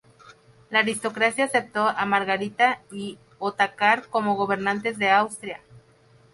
La aristocracia aceptó a Margarita y Otakar como gobernantes de Austria.